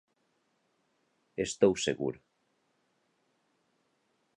_Estou seguro.